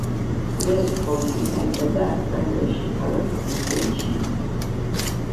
კლერ ჰოლტი დაიბადა ავსტრალიაში, ქალაქ ბრისბენში.